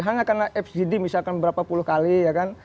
hanya karena fgd misalkan berapa puluh kali ya kan